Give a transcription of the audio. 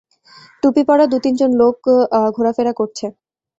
টুপিপরা দু-তিন জন লোক ঘোরাফেরা করছে।